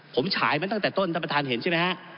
ผมฉายมาตั้งแต่ต้นท่านประธานเห็นใช่ไหมฮะ